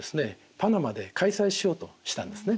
パナマで開催しようとしたんですね。